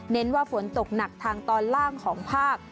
ว่าฝนตกหนักทางตอนล่างของภาค